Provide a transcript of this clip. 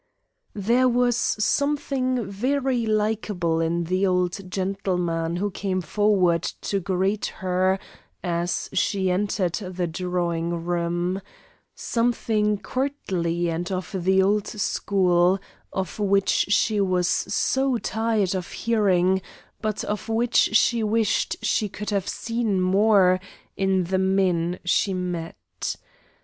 There was something very likable in the old gentleman who came forward to greet her as she entered the drawing room; something courtly and of the old school, of which she was so tired of hearing, but of which she wished she could have seen more in the men she met.